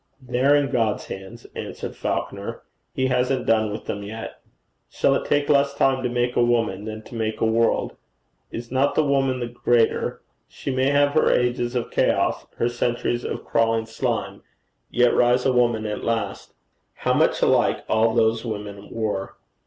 'They are in God's hands,' answered Falconer. 'He hasn't done with them yet. Shall it take less time to make a woman than to make a world? Is not the woman the greater? She may have her ages of chaos, her centuries of crawling slime, yet rise a woman at last.' 'How much alike all those women were!'